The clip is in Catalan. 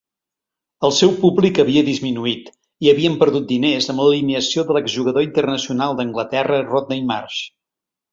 El seu públic havia disminuït, i havien perdut diners amb l'alineació de l'exjugador internacional d'Anglaterra Rodney Marsh.